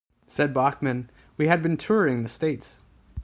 Said Bachman: We had been touring the States.